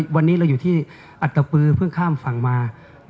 วันนี้เราอยู่ที่อัตตปือเพิ่งข้ามฝั่งมา